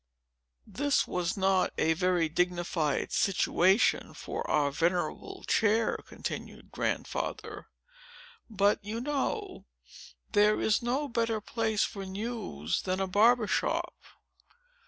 "This was not a very dignified situation for our venerable chair," continued Grandfather; "but, you know, there is no better place for news, than a barber's shop.